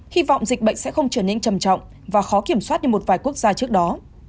hy vọng dịch bệnh sẽ không trở nên trầm trọng và khó kiểm soát như một vài quốc gia trước đó